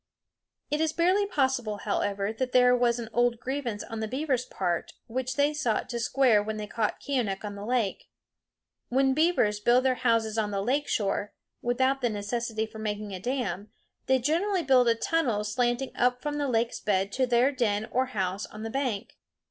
It is barely possible, however, that there was an old grievance on the beavers' part, which they sought to square when they caught Keeonekh on the lake. When beavers build their houses on the lake shore, without the necessity for making a dam, they generally build a tunnel slanting up from the lake's bed to their den or house on the bank.